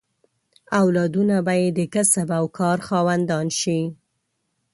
اولادونه به یې د کسب او کار خاوندان شي.